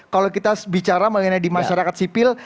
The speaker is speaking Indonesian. kalau kita bicara mengenai di masyarakat sipil